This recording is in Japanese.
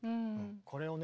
これをね